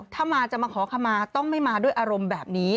ถ้ามาจะมาขอขมาต้องไม่มาด้วยอารมณ์แบบนี้